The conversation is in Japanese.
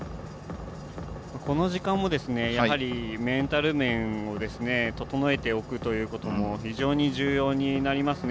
この時間もやはりメンタル面を整えておくということが非常に重要になりますね。